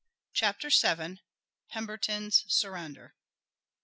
CHAPTER VII. PEMBERTON'S SURRENDER.